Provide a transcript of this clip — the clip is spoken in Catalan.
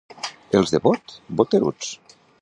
Els de Bot, boteruts.